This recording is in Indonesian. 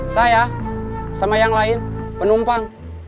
saya sama yang lain penumpang